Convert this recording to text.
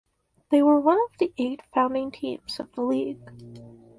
They were one of the eight founding teams of the league.